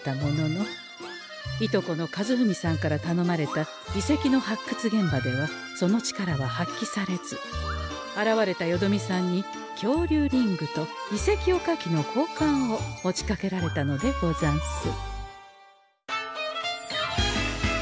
従兄の和史さんからたのまれた遺跡の発掘現場ではその力は発揮されず現れたよどみさんにきょうりゅうリングと遺跡おかきのこうかんを持ちかけられたのでござんす。